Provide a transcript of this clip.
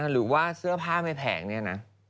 หรือว่าเสื้อผ้าในแผงเนี่ยนะ